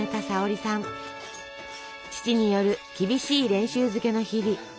父による厳しい練習漬けの日々。